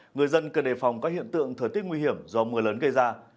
người dân cần đề phòng các hiện tượng thời tiết nguy hiểm do mưa lớn gây ra